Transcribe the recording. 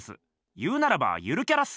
言うならばゆるキャラっす。